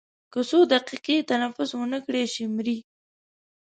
که څو دقیقې تنفس ونه کړای شي مري.